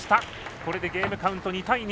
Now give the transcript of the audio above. これでゲームカウント２対２。